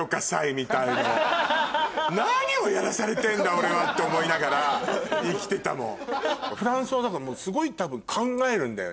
「俺は」って思いながら生きてたもん。